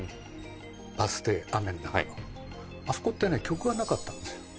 バス停、雨の中、あそこってね、曲がなかったんですよ。